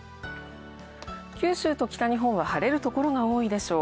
九州と北日本は晴れる所が多いでしょう。